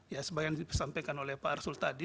ya sebagai yang disampaikan oleh pak arsul tadi